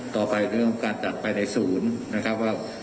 ต่อไปเรื่องของการจัดไปในศูนย์นะครับว่า